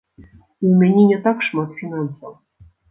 І ў мяне не так шмат фінансаў.